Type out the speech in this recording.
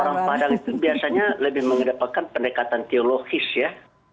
orang padang itu biasanya lebih mengedepankan pendekatan teologis ya